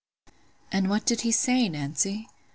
"And what did he say, Nancy?"